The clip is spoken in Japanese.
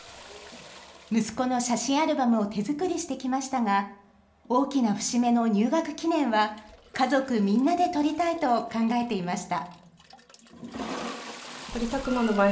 息子の写真アルバムを手作りしてきましたが、大きな節目の入学記念は、家族みんなで撮りたいと考えていました。